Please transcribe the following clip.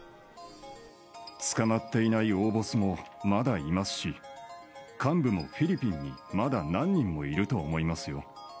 捕まっていない大ボスもまだいますし、幹部もフィリピンにまだ何人もいると思いますよ。